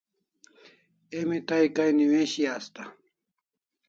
Emi tai kai newishi asta